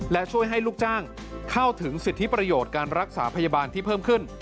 และช่วยให้ลูกจ้างเข้าถึงสิทธิประโยชน์การรักษาพยาบาลที่เพิ่มขึ้น